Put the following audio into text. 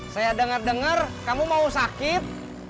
saya dengar dengar kamu mau sakit